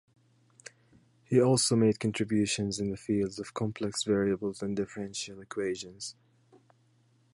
He also made contributions in the fields of complex variables and differential equations.